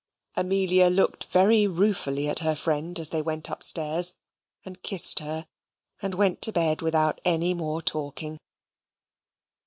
Amelia looked very ruefully at her friend, as they went up stairs, and kissed her, and went to bed without any more talking.